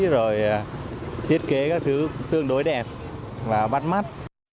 rồi thiết kế các thứ tương đối đẹp và bắt mắt